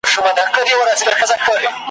د ریشتیا پر میدان ټوله دروغجن یو `